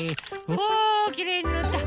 うわきれいになった。